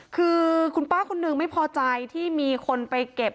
คือคุณป้าคนนึงไม่พอใจที่มีคนไปเก็บ